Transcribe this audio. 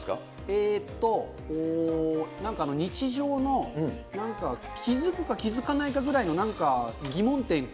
えっと、なんか日常のなんか気付くか気付かないかぐらいのなんか疑問